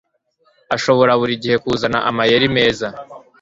ashobora buri gihe kuzana amayeri meza